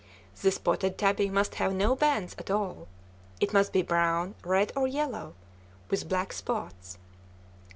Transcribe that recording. The spotted tabby must have no bands at all. It must be brown, red, or yellow, with black spots.